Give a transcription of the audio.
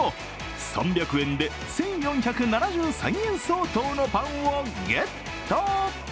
３００円で１４７３円相当のパンをゲット。